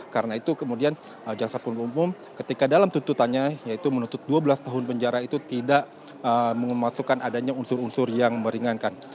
karena itu kemudian jaksa penuntut umum ketika dalam tuntutannya yaitu menuntut dua belas tahun penjara itu tidak memasukkan adanya unsur unsur yang meringankan